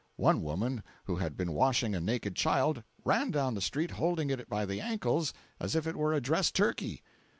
One woman who had been washing a naked child, ran down the street holding it by the ankles as if it were a dressed turkey.